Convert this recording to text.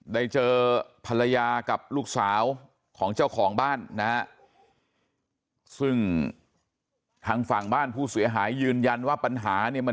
ได้เจอภรรยากับลูกสาวของเจ้าของบ้านนะฮะ